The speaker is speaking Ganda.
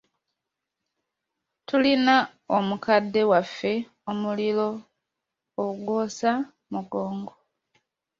Tulina omukadde waffe omuliro agwosa mugongo.